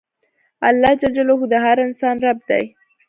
اللهﷻ د هر انسان رب دی.